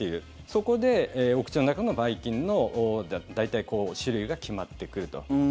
そこでお口の中のばい菌の大体、種類が決まってくると。